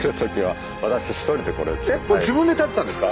これ自分で建てたんですか？